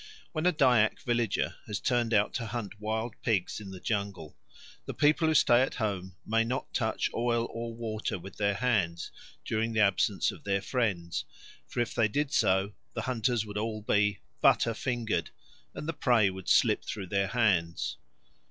When a Dyak village has turned out to hunt wild pigs in the jungle, the people who stay at home may not touch oil or water with their hands during the absence of their friends; for if they did so, the hunters would all be "butter fingered" and the prey would slip through their hands.